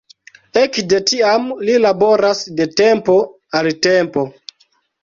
Ekde tiam li laboras de tempo al tempo.